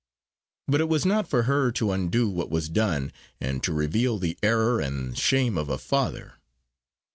But it was not for her to undo what was done, and to reveal the error and shame of a father.